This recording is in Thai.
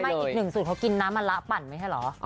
อีกหนึ่งสูตรเขากินน้ำมะละปั่นไม่ใช่เหรอ